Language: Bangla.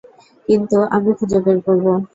কিন্তু আমি খুঁজে বের করবো।